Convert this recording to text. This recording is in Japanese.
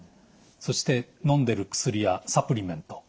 そしてのんでる薬やサプリメント。